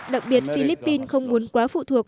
đặc biệt philippines không muốn quá phụ thuộc